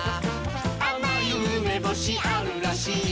「あまいうめぼしあるらしい」